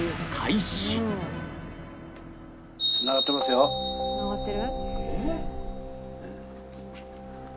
「つながってる？」